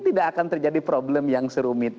tidak akan terjadi problem yang serumit